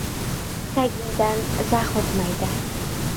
Tagingdan zax o'tmaydi.